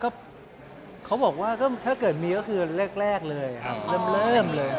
ก็เขาบอกว่าก็ถ้าเกิดมีก็คือแรกเลยครับเริ่มเลย